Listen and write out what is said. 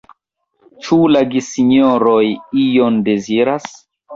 Ĉu la gesinjoroj ion deziras?